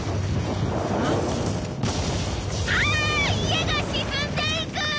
家が沈んでいく！